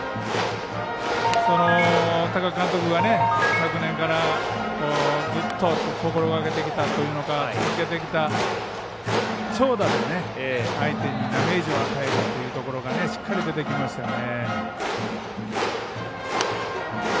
多賀監督が昨年からずっと心がけていた、続けてきた長打で、相手にダメージを与えるということがしっかりとでてきましたよね。